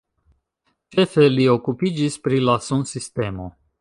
Ĉefe li okupiĝis pri la sunsistemo.